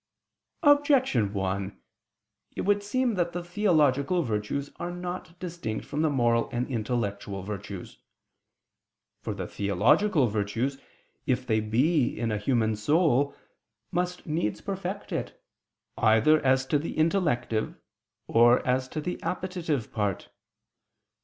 Objection 1: It would seem that the theological virtues are not distinct from the moral and intellectual virtues. For the theological virtues, if they be in a human soul, must needs perfect it, either as to the intellective, or as to the appetitive part.